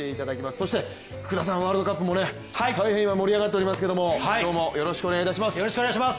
そして福田さん、ワールドカップも大変盛り上がっていますけど今日もよろしくお願いいたします。